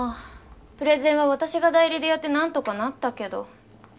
プレゼンは私が代理でやってなんとかなったけど。